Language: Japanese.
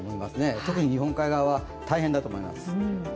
特に日本海側は大変だと思います。